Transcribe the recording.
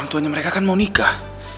tuanya mereka kan mau nikah